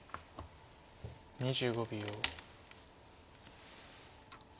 ２５秒。